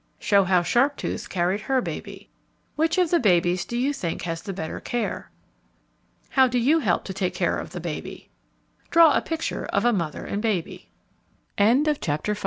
_ Show how Sharptooth carried her baby. Which of the babies do you think has the better care? How do you help to take care of the baby? Draw a picture of a mother and baby. VI.